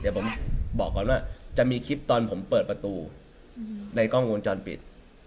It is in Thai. เดี๋ยวผมบอกก่อนว่าจะมีคลิปตอนผมเปิดประตูในกล้องวงจรปิด